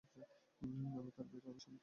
আমি তার বাইরে, আমি শান্তি।